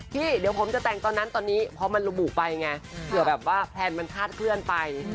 พี่เดี๋ยวผมจะแต่งตอนนั้นตอนนี้เพราะมันระบุไปไงเผื่อแบบว่าแพลนมันคาดเคลื่อนไป